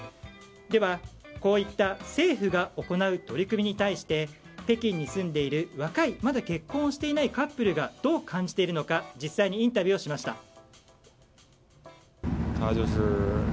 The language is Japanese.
では、こういった政府が行う取り組みに対して北京に住んでいる若いまだ結婚をしていないカップルがどう感じているのか実際にインタビューをしました。